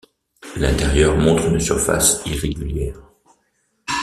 L'intérieur montre une surface irrégulière.